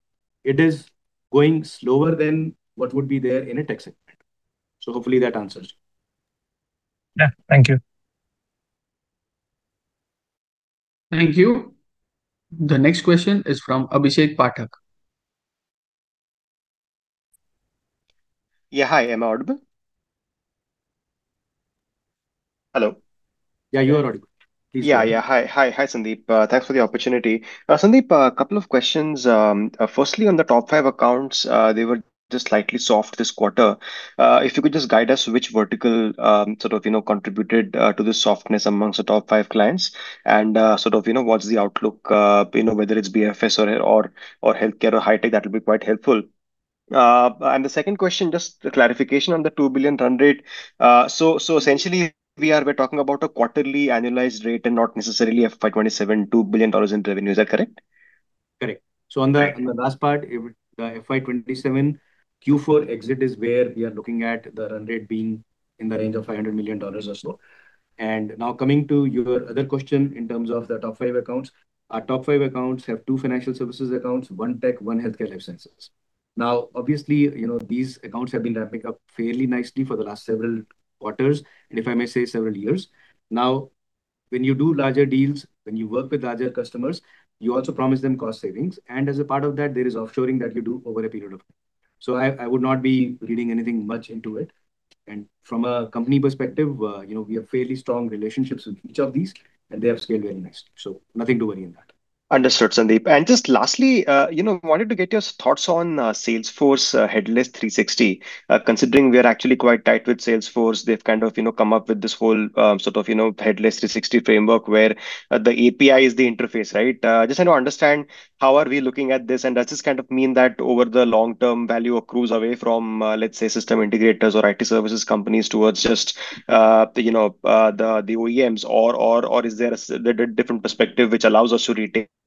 it is going slower than what would be there in a tech segment. Hopefully that answers. Yeah. Thank you. Thank you. The next question is from Abhishek Pathak. Yeah. Hi, am I audible? Hello? Yeah, you are audible. Please go ahead. Yeah. Hi Sandeep. Thanks for the opportunity. Sandeep, a couple of questions. Firstly, on the top five accounts, they were just slightly soft this quarter. If you could just guide us which vertical sort of contributed to the softness amongst the top five clients and sort of what's the outlook, whether it's BFS or healthcare or high tech, that would be quite helpful. The second question, just a clarification on the $2 billion run rate. So essentially we are talking about a quarterly annualized rate and not necessarily a FY 2027 $2 billion in revenue. Is that correct? Correct. On the last part, the FY 2027 Q4 exit is where we are looking at the run rate being in the range of $500 million or so. Now coming to your other question in terms of the top five accounts. Our top five accounts have two financial services accounts, one tech, one healthcare life sciences. Now obviously, these accounts have been ramping up fairly nicely for the last several quarters and if I may say, several years. Now, when you do larger deals, when you work with larger customers, you also promise them cost savings. As a part of that, there is offshoring that you do over a period of time. I would not be reading anything much into it. From a company perspective, we have fairly strong relationships with each of these, and they have scaled very nicely. Nothing to worry in that. Understood, Sandeep. Just lastly, wanted to get your thoughts on Salesforce Headless 360. Considering we are actually quite tight with Salesforce, they've kind of come up with this whole sort of Headless 360 framework where the API is the interface, right?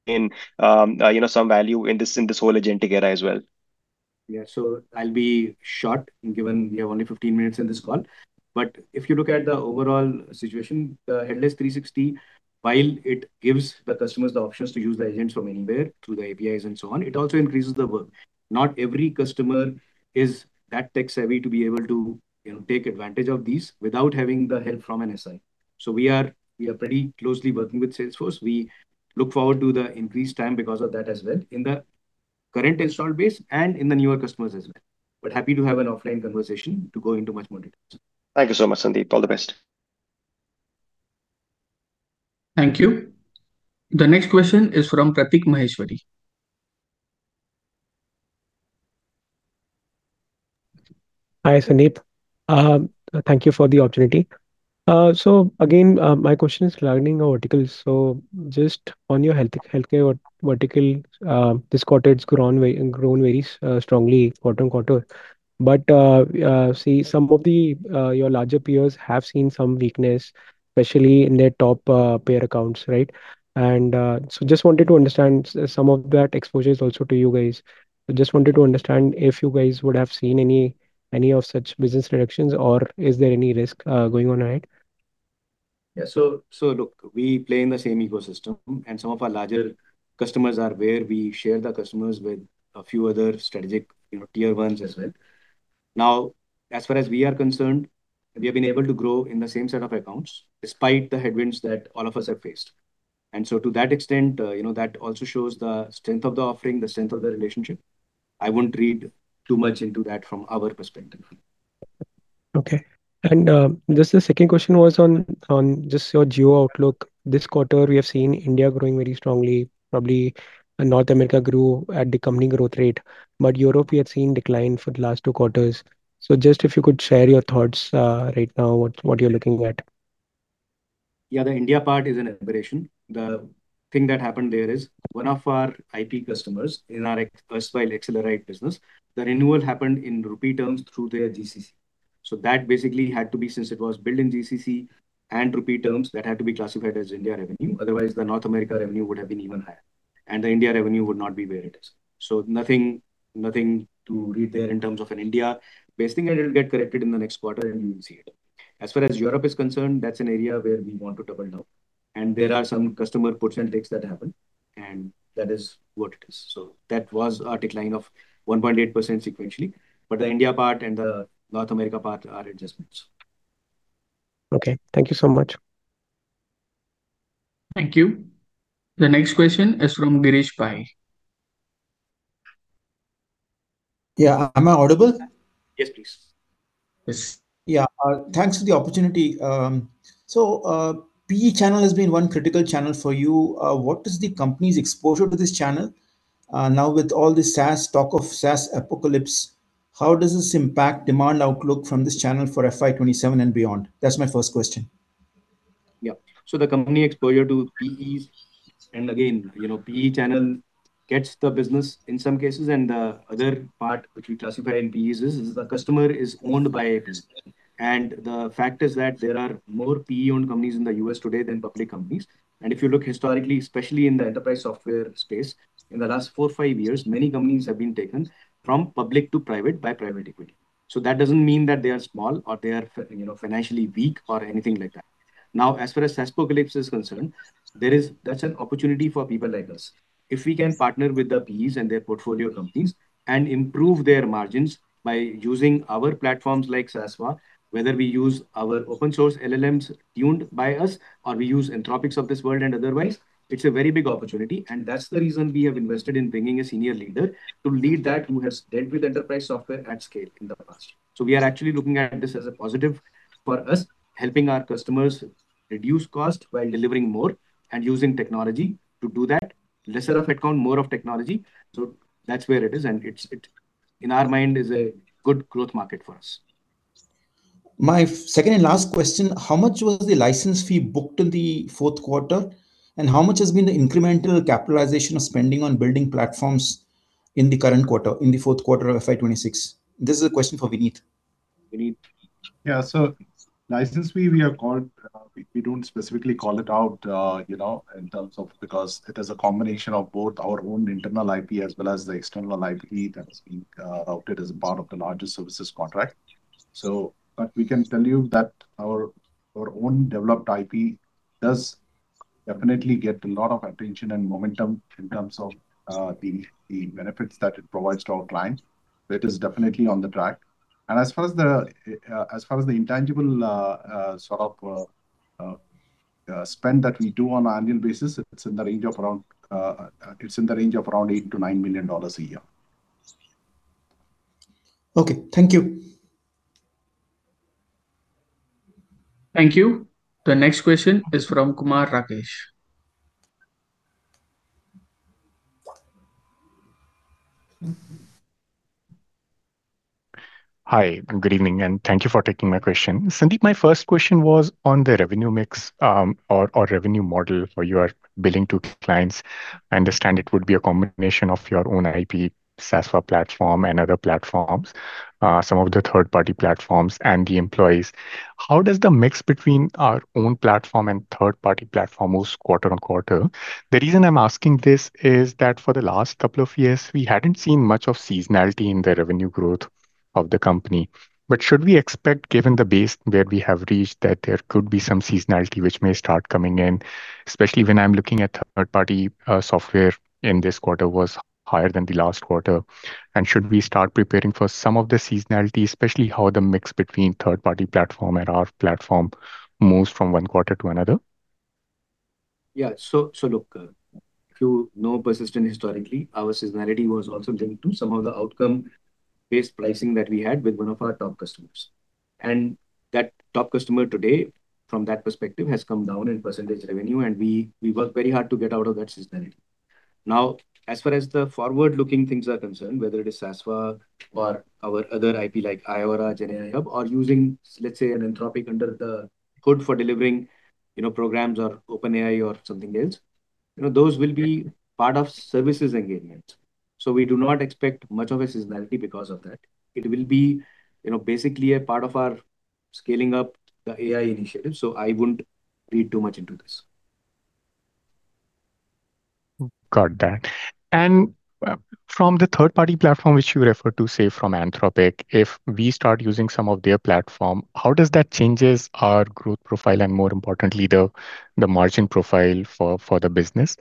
Just trying to understand how are we looking at this, and does this kind of mean that over the long term value accrues away from, let's say, system integrators or IT services companies towards just the OEMs or is there a different perspective which allows us to retain some value in this whole agentic era as well? Yeah. I'll be short, given we have only 15 minutes in this call. If you look at the overall situation, the Headless 360, while it gives the customers the options to use the agents from anywhere through the APIs and so on, it also increases the work. Not every customer is that tech-savvy to be able to take advantage of these without having the help from an SI. We are pretty closely working with Salesforce. We look forward to the increased time because of that as well, in the current install base and in the newer customers as well. Happy to have an offline conversation to go into much more details. Thank you so much, Sandeep. All the best. Thank you. The next question is from Prateek Maheshwari. Hi, Sandeep. Thank you for the opportunity. Again, my question is leading verticals. Just on your healthcare vertical, this quarter it's grown very strongly quarter-over-quarter. See, some of your larger peers have seen some weakness, especially in their top payer accounts, right? Just wanted to understand some of that exposure is also to you guys. Just wanted to understand if you guys would have seen any of such business reductions or is there any risk going on ahead? Yeah. Look, we play in the same ecosystem, and some of our larger customers are where we share the customers with a few other strategic tier ones as well. Now, as far as we are concerned, we have been able to grow in the same set of accounts despite the headwinds that all of us have faced. To that extent, that also shows the strength of the offering, the strength of the relationship. I wouldn't read too much into that from our perspective. Okay. Just the second question was on just your geo outlook. This quarter, we have seen India growing very strongly. Probably North America grew at the company growth rate, but Europe we have seen decline for the last two quarters. Just if you could share your thoughts right now, what you're looking at? Yeah, the India part is an aberration. The thing that happened there is one of our IT customers in our ExpressFile Accelerate business, the renewal happened in rupee terms through their GCC. That basically had to be, since it was billed in GCC and rupee terms, that had to be classified as India revenue. Otherwise, the North America revenue would have been even higher, and the India revenue would not be where it is. Nothing to read there in terms of in India. Best thing it'll get corrected in the next quarter, and we will see it. As far as Europe is concerned, that's an area where we want to double down, and there are some customer puts and takes that happen, and that is what it is. That was a decline of 1.8% sequentially. The India part and the North America part are adjustments. Okay. Thank you so much. Thank you. The next question is from Girish Pai. Yeah. Am I audible? Yes, please. Yes. Yeah. Thanks for the opportunity. PE channel has been one critical channel for you. What is the company's exposure to this channel? Now with all the SaaS, talk of SaaS apocalypse, how does this impact demand outlook from this channel for FY 2027 and beyond? That's my first question. Yeah. The company exposure to PEs, and again, PE channel gets the business in some cases, and the other part which we classify in PEs is the customer is owned by a PE. The fact is that there are more PE-owned companies in the U.S. today than public companies. If you look historically, especially in the enterprise software space, in the last four or five years, many companies have been taken from public to private by private equity. That doesn't mean that they are small or they are financially weak or anything like that. Now, as far as SaaSpocalypse is concerned, that's an opportunity for people like us. If we can partner with the PEs and their portfolio companies and improve their margins by using our platforms like SASVA, whether we use our open source LLMs tuned by us or we use Anthropic of this world and otherwise, it's a very big opportunity. That's the reason we have invested in bringing a senior leader to lead that who has dealt with enterprise software at scale in the past. We are actually looking at this as a positive for us, helping our customers reduce cost while delivering more and using technology to do that. Lesser of headcount, more of technology. That's where it is, and it, in our mind, is a good growth market for us. My second and last question, how much was the license fee booked in the fourth quarter? How much has been the incremental capitalization of spending on building platforms in the current quarter, in the fourth quarter of FY 2026? This is a question for Vinit. Vinit? Yeah. License fee, we don't specifically call it out in terms of because it is a combination of both our own internal IP as well as the external IP that is being offered as a part of the larger services contract. We can tell you that our own developed IP does definitely get a lot of attention and momentum in terms of the benefits that it provides to our clients. That is definitely on track. As far as the intangible sort of spend that we do on an annual basis, it's in the range of around $8-$9 million a year. Okay. Thank you. Thank you. The next question is from Kumar Rakesh. Hi, good evening, and thank you for taking my question. Sandeep, my first question was on the revenue mix or revenue model for your billing to clients. I understand it would be a combination of your own IP, SASVA platform and other platforms, some of the third-party platforms and the employees. How does the mix between our own platform and third-party platform move quarter-on-quarter? The reason I'm asking this is that for the last couple of years, we hadn't seen much of seasonality in the revenue growth of the company. Should we expect, given the base that we have reached, that there could be some seasonality which may start coming in, especially when I'm looking at third-party software in this quarter was higher than the last quarter. Should we start preparing for some of the seasonality, especially how the mix between third-party platform and our platform moves from one quarter to another? Yeah. Look, if you know Persistent historically, our seasonality was also linked to some of the outcome-based pricing that we had with one of our top customers. That top customer today, from that perspective, has come down in percentage revenue, and we worked very hard to get out of that seasonality. Now, as far as the forward-looking things are concerned, whether it is SASVA or our other IP like iAURA, GenAI Hub, or using, let's say, an Anthropic under the hood for delivering programs or OpenAI or something else, those will be part of services engagements. We do not expect much of a seasonality because of that. It will be basically a part of our scaling up the AI initiative. I wouldn't read too much into this. Got that. From the third-party platform, which you referred to, say from Anthropic, if we start using some of their platform, how does that changes our growth profile and more importantly, the margin profile for the business?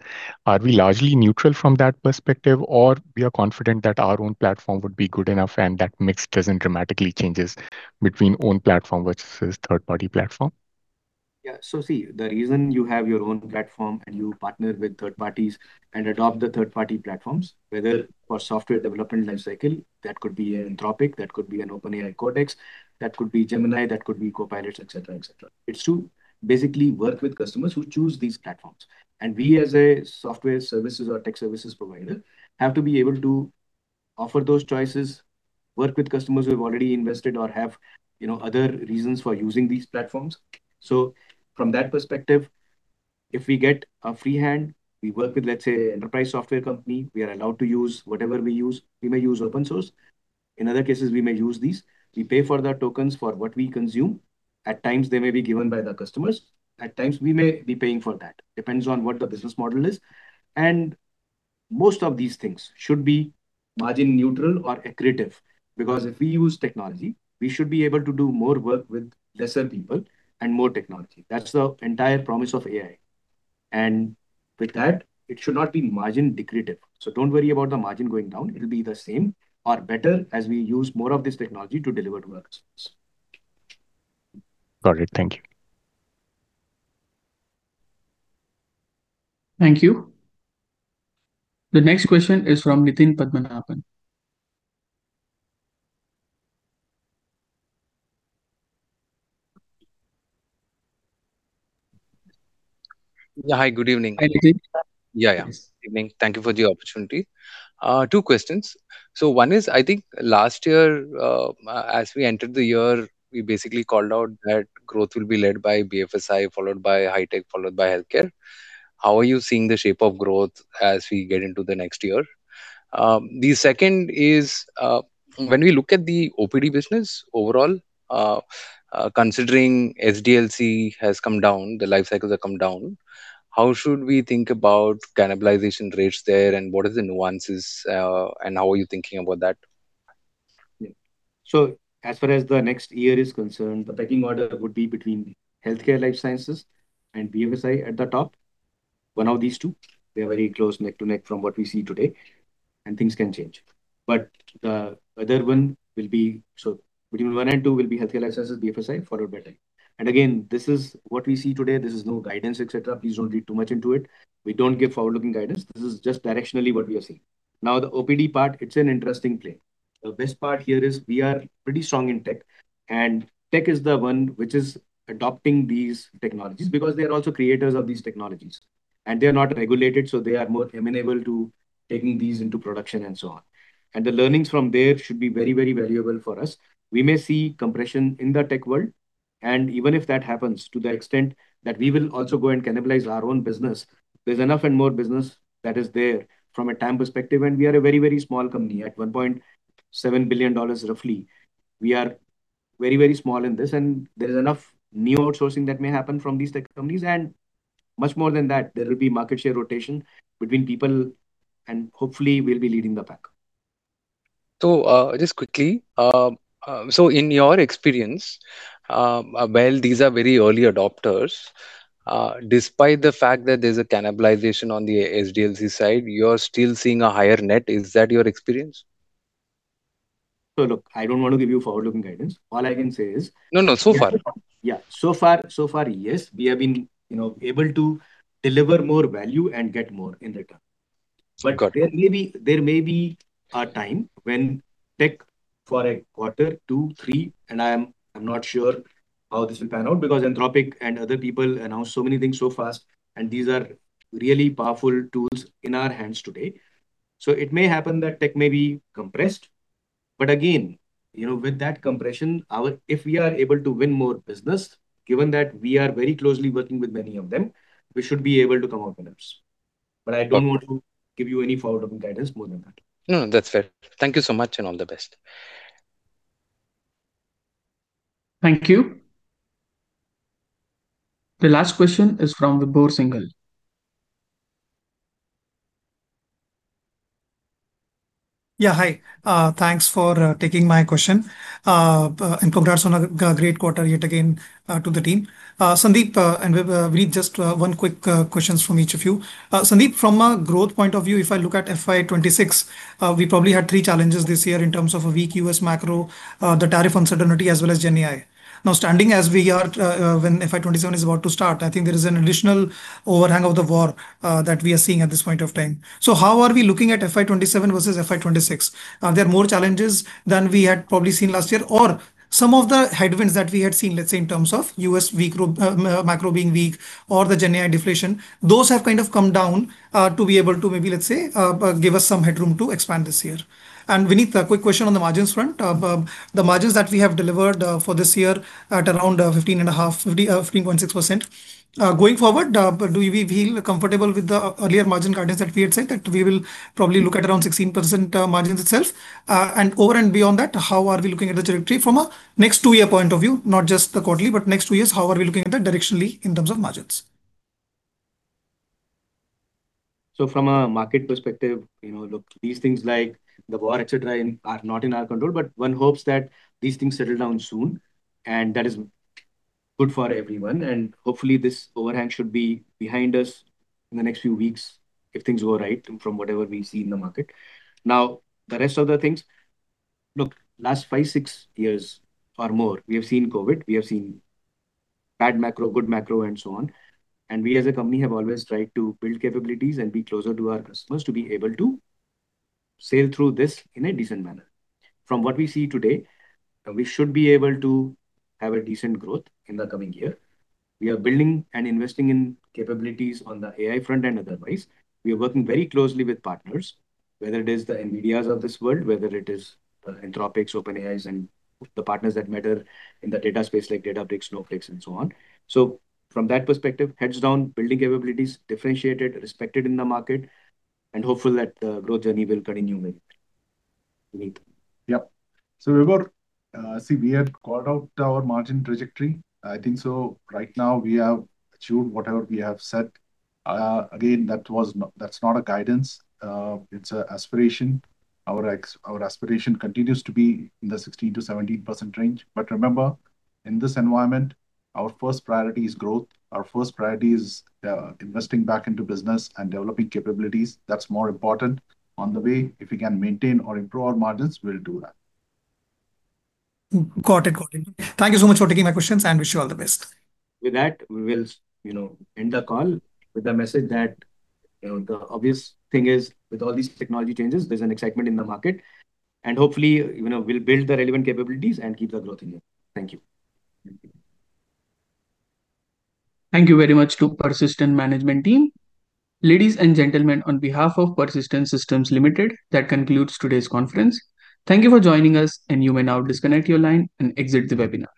Are we largely neutral from that perspective, or we are confident that our own platform would be good enough and that mix doesn't dramatically changes between own platform versus third-party platform? Yeah. See, the reason you have your own platform and you partner with third parties and adopt the third-party platforms, whether for software development life cycle, that could be an Anthropic, that could be an OpenAI Codex, that could be Gemini, that could be Copilot, et cetera. It's to basically work with customers who choose these platforms. We as a software services or tech services provider, have to be able to offer those choices, work with customers who have already invested or have other reasons for using these platforms. From that perspective, if we get a free hand, we work with, let's say, enterprise software company, we are allowed to use whatever we use. We may use open source. In other cases, we may use these. We pay for the tokens for what we consume. At times, they may be given by the customers. At times, we may be paying for that. Depends on what the business model is. Most of these things should be margin neutral or accretive, because if we use technology, we should be able to do more work with lesser people and more technology. That's the entire promise of AI. With that, it should not be margin decreative. Don't worry about the margin going down. It'll be the same or better as we use more of this technology to deliver to our customers. Got it. Thank you. Thank you. The next question is from Nitin Padmanabhan. Yeah. Hi. Good evening. Hi, Nitin. Yeah, yeah. Good evening. Thank you for the opportunity. Two questions. One is, I think last year, as we entered the year, we basically called out that growth will be led by BFSI, followed by high tech, followed by healthcare. How are you seeing the shape of growth as we get into the next year? The second is, when we look at the OPD business overall, considering SDLC has come down, the life cycles have come down, how should we think about cannibalization rates there, and what are the nuances, and how are you thinking about that? Yeah. As far as the next year is concerned, the pecking order would be between healthcare life sciences and BFSI at the top. One of these two. They're very close, neck and neck from what we see today, and things can change. The other one will be. Between one and two will be healthcare life sciences, BFSI followed by tech. Again, this is what we see today, this is no guidance, et cetera. Please don't read too much into it. We don't give forward-looking guidance. This is just directionally what we are seeing. Now, the OPD part, it's an interesting play. The best part here is we are pretty strong in tech, and tech is the one which is adopting these technologies because they're also creators of these technologies. They're not regulated, so they are more amenable to taking these into production and so on. The learnings from there should be very, very valuable for us. We may see compression in the tech world, and even if that happens to the extent that we will also go and cannibalize our own business, there's enough and more business that is there from a time perspective, and we are a very, very small company at $1.7 billion roughly. We are very, very small in this, and there is enough new outsourcing that may happen from these tech companies, and much more than that, there will be market share rotation between people, and hopefully we'll be leading the pack. Just quickly. In your experience, while these are very early adopters, despite the fact that there's a cannibalization on the SDLC side, you're still seeing a higher net. Is that your experience? Look, I don't want to give you forward-looking guidance. All I can say is- No, no. So far. Yeah. So far, yes. We have been able to deliver more value and get more in return. Got it. There may be a time when tech for a quarter, two, three, and I'm not sure how this will pan out because Anthropic and other people announce so many things so fast, and these are really powerful tools in our hands today. It may happen that tech may be compressed. Again, with that compression, if we are able to win more business, given that we are very closely working with many of them, we should be able to come out winners. I don't want to give you any forward-looking guidance more than that. No, that's fair. Thank you so much, and all the best. Thank you. The last question is from Vibhor Singhal. Yeah. Hi. Thanks for taking my question, and congrats on a great quarter yet again to the team. Sandeep and Vinit, just one quick questions from each of you. Sandeep, from a growth point of view, if I look at FY 2026, we probably had three challenges this year in terms of a weak U.S. macro, the tariff uncertainty, as well as GenAI. Now standing as we are, when FY 2027 is about to start, I think there is an additional overhang of the war that we are seeing at this point of time. How are we looking at FY 2027 versus FY 2026? Are there more challenges than we had probably seen last year? Some of the headwinds that we had seen, let's say, in terms of U.S. macro being weak or the GenAI deflation, those have kind of come down, to be able to maybe, let's say give us some headroom to expand this year. Vinit, a quick question on the margins front. The margins that we have delivered for this year at around 15.6%. Going forward, do we feel comfortable with the earlier margin guidance that we had said, that we will probably look at around 16% margins itself? Over and beyond that, how are we looking at the trajectory from a next two year point of view, not just the quarterly, but next two years, how are we looking at that directionally in terms of margins? From a market perspective, look, these things like the war, et cetera, are not in our control, but one hopes that these things settle down soon, and that is good for everyone. Hopefully this overhang should be behind us in the next few weeks if things go right from whatever we see in the market. Now, the rest of the things. Look, last five, six years or more, we have seen COVID, we have seen bad macro, good macro and so on. We as a company have always tried to build capabilities and be closer to our customers to be able to sail through this in a decent manner. From what we see today, we should be able to have a decent growth in the coming year. We are building and investing in capabilities on the AI front and otherwise. We are working very closely with partners, whether it is the Nvidias of this world, whether it is the Anthropic, OpenAIs, and the partners that matter in the data space, like Databricks, Snowflakes and so on. From that perspective, heads down, building capabilities, differentiated, respected in the market, and hopeful that the growth journey will continue, Vinit. Yep. Vibhor, see, we had called out our margin trajectory. I think so right now we have achieved whatever we have said. Again, that's not a guidance, it's a aspiration. Our aspiration continues to be in the 16%-17% range. Remember, in this environment, our first priority is growth. Our first priority is investing back into business and developing capabilities. That's more important. On the way, if we can maintain or improve our margins, we'll do that. Got it. Thank you so much for taking my questions, and wish you all the best. With that, we will end the call with the message that the obvious thing is, with all these technology changes, there's an excitement in the market. Hopefully, we'll build the relevant capabilities and keep the growth in here. Thank you. Thank you very much to Persistent management team. Ladies and gentlemen, on behalf of Persistent Systems Limited, that concludes today's conference. Thank you for joining us, and you may now disconnect your line and exit the webinar.